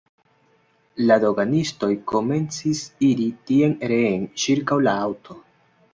La doganistoj komencis iri tien-reen ĉirkaŭ la aŭto.